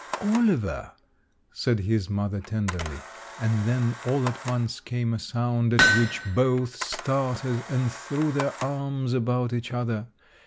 "'Oliver,' said his mother tenderly, and then all at once came a sound at which both started, and threw their arms about each other.